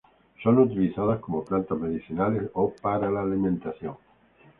Son utilizadas como plantas medicinales o para la alimentación.